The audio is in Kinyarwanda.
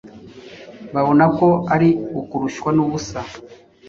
babona ko ari ukurushywa n’ubusa